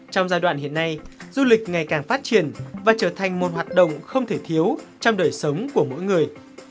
trong giai đoạn hiện nay du lịch ngày càng phát triển và trở thành một hoạt động không thể thiếu trong đời sống của mỗi người